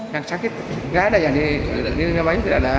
yang sakit tidak ada ya di jemaah ini tidak ada